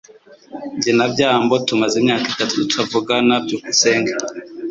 Jye na byambo tumaze imyaka itatu tutavugana. byukusenge